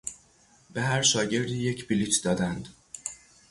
به هر شاگردی یک بلیط دادند.